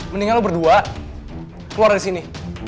mendingan lo berdua keluar dari sini